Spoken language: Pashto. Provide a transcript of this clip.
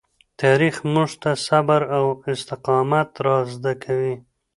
تاریخ موږ ته صبر او استقامت را زده کوي.